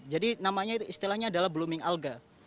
jadi istilahnya adalah blooming alga